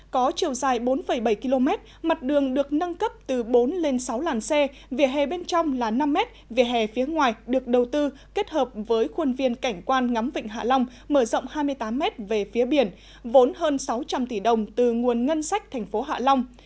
có chiều dài bốn bảy km mặt đường được nâng cấp từ bốn lên sáu làn xe vỉa hè bên trong là năm m vỉa hè phía ngoài được đầu tư kết hợp với khuôn viên cảnh quan ngắm vịnh hạ long mở rộng hai mươi tám m về phía biển vốn hơn sáu trăm linh tỷ đồng từ nguồn ngân sách thành phố hạ long